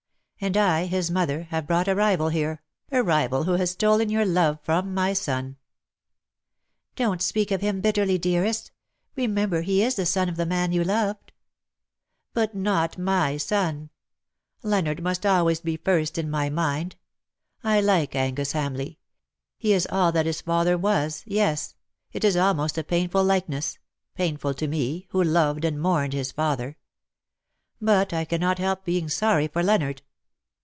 And I, his mother, have brought a rival here — a rival who has stolen your love from my son/"* " Don^t speak of him bitterly, dearest. Remem ber he is the son of the man you loved. ''^^' But not my son ! Leonard must always be first in my mind. I like Angus Hamleigh. He is all that his father was — yes — it is almost a painful likeness — painful to me, who loved and mourned his father. But I cannot help being sorry for Leonard."